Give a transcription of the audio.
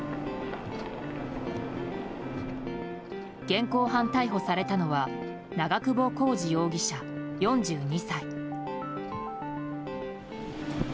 現行犯逮捕されたのは長久保浩二容疑者、４２歳。